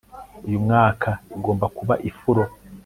Uyu mwaka igomba kuba ifuro